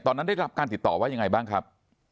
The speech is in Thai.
ได้รับการติดต่อว่ายังไงบ้างครับ